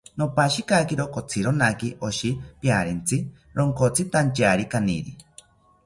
Nopashikakiro kotzironaki oshi pariantzi ronkotzitantyari kaniri